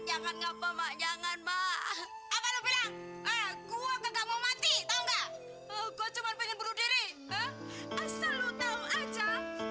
jangan ngapa mak jangan mah apa lu bilang gua gak mau mati tahu nggak